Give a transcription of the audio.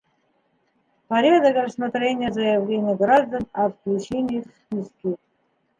Порядок рассмотрения заявлений граждан о включении в списки